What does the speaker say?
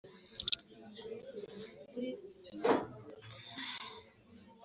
nubwo nta rugomo yigeze agira aritonda